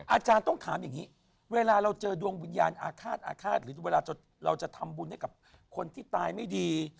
อาจารย์ต้องถามอย่างนี้เวลาเราเจอดวงวิญญาณอาฆาตอาฆาตหรือเวลาเราจะทำบุญให้กับคนที่ตายไม่ดี